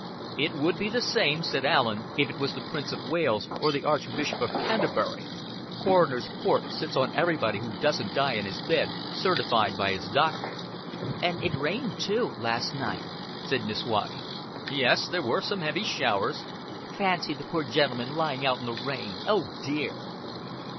"It would be the same," said Allen, "if it was the Prince of Wales, or the Archbishop of Canterbury. Coroner's Court sits on everybody who doesn't die in his bed certified by his doctor." "And it rained, too, last night," said Miss Waddy. "Yes, there was some heavy showers." "Fancy the poor gentleman lying out in the rain. Oh, dear!"